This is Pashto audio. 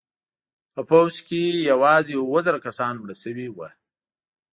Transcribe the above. په پوځ کې یوازې اوه زره کسان مړه شوي وو.